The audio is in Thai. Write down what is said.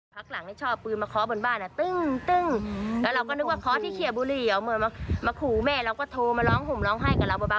พ่อตาโหดรายนี้ก็ต้องโดนละค่ะ